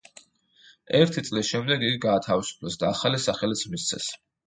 ერთი წლის შემდეგ იგი გაათავისუფლეს და ახალი სახელიც მისცეს.